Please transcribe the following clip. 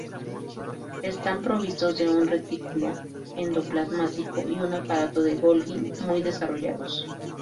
Están provistos de un retículo endoplasmático y un aparato de Golgi muy desarrollados.